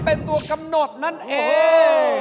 เพราะว่ารายการหาคู่ของเราเป็นรายการแรกนะครับ